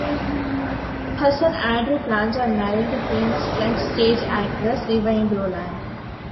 Her son Andrew plans on marrying the famous French stage actress Vivienne Rolland.